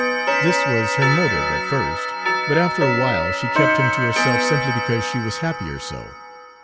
This was her motive at first, but after a while she kept him to herself simply because she was happier so.